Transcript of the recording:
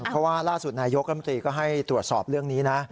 เพราะว่าล่าสุดนายกรมตรีก็ให้ตรวจสอบเรื่องนี้นะ